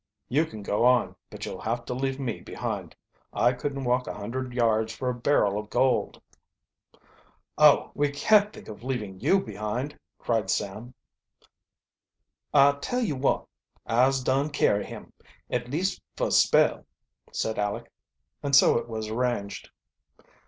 "You can go on, but you'll have to leave me behind. I couldn't walk a hundred yards for a barrel of gold." "Oh, we can't think of leaving you behind!" cried Sam. "I'll tell you wot Ise dun carry him, at least fe a spell," said Aleck, and so it was arranged.